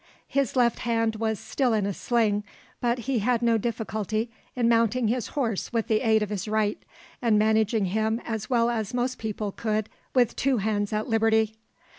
His left hand was still in a sling, but he had no difficulty in mounting his horse with the aid of his right, and managing him as well as most people could with two hands at liberty.